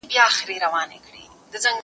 زه به سبا سبزیجات وخورم!.